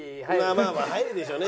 まあまあ入るでしょうね。